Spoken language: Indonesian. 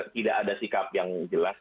tidak ada sikap yang jelas